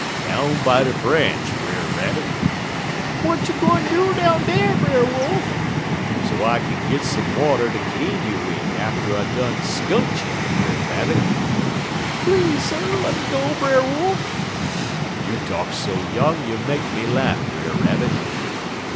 "'Down by de branch, Brer Rabbit.' "'W'at you gwine down dar fer, Brer Wolf?' "'So I kin git some water ter clean you wid atter I done skunt you, Brer Rabbit.' "'Please, sir, lemme go, Brer Wolf.' "'You talk so young you make me laff, Brer Rabbit.'